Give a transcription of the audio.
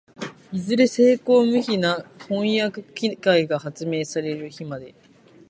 いずれ精巧無比な飜訳機械が発明される日まで、